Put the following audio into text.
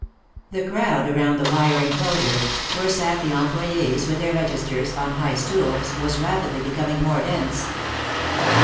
The crowd around the wire enclosures, where sat the employes with their registers, on high stools, was rapidly becoming more dense.